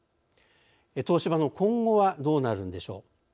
東芝の今後はどうなるのでしょう。